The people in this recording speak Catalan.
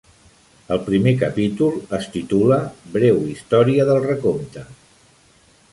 El primer capítol es titula "Breu història del recompte".